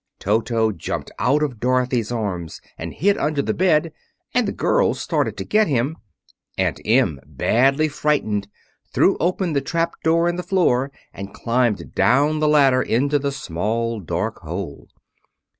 Toto jumped out of Dorothy's arms and hid under the bed, and the girl started to get him. Aunt Em, badly frightened, threw open the trap door in the floor and climbed down the ladder into the small, dark hole.